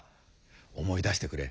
思い出してくれ。